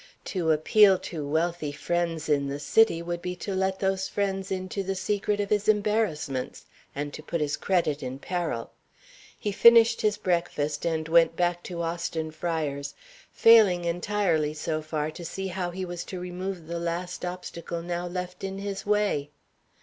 To appeal to wealthy friends in the City would be to let those friends into the secret of his embarrassments, and to put his credit in peril. He finished his breakfast, and went back to Austin Friars failing entirely, so far, to see how he was to remove the last obstacle now left in his way.